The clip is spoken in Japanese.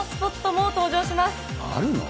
あるの？